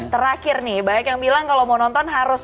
terakhir nih banyak yang bilang kalau mau nonton harus